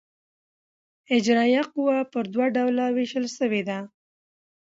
اجرائیه قوه پر دوه ډوله وېشل سوې ده.